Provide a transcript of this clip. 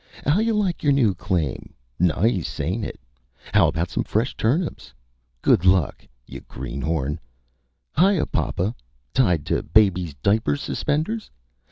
How yuh like your new claim?... Nice, ain't it? How about some fresh turnips?... Good luck, yuh greenhorn.... Hiyuh, papa! Tied to baby's diaper suspenders!...